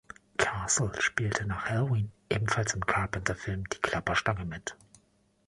Castle spielte nach "Halloween" ebenfalls im Carpenter-Film "Die Klapperschlange" mit.